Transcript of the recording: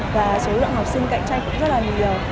và số lượng học sinh cạnh tranh cũng rất là nhiều